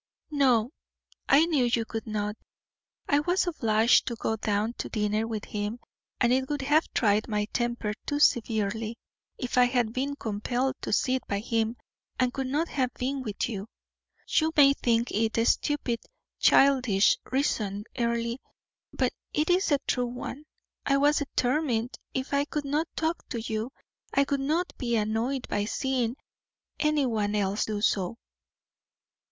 "No; I knew you could not. I was obliged to go down to dinner with him, and it would have tried my temper too severely if I had been compelled to sit by him and could not have been with you. You may think it a stupid, childish reason, Earle, but it is a true one. I was determined if I could not talk to you, I would not be annoyed by seeing any one else do so."